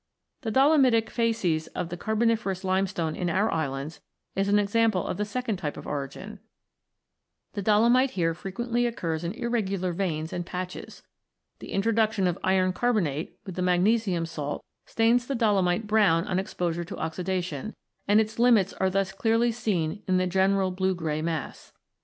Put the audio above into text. The dolomitic facies of the Carboniferous limestone in our islands is an example of the second type of origin. The dolomite here frequently occurs in n] THE LIMESTONES 33 irregular veins and patches. The introduction of iron carbonate with the magnesium salt stains the dolomite brown on exposure to oxidation, and its limits are thus clearly seen in the general blue grey mass.